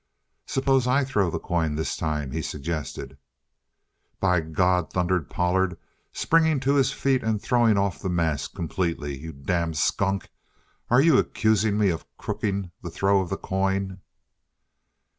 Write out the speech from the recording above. "Suppose I throw the coin this time?" he suggested. "By God!" thundered Pollard, springing to his feet and throwing off the mask completely. "You damned skunk, are you accusin' me of crooking the throw of the coin?"